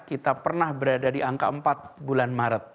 kita pernah berada di angka empat bulan maret